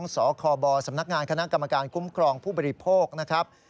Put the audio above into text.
สคบสำนักงานคณะกรรมการคุ้มครองผู้บริโภคนะครับ